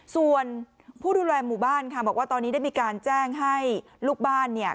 ส่วนผู้ดูแลหมู่บ้านค่ะบอกว่าตอนนี้ได้มีการแจ้งให้ลูกบ้านเนี่ย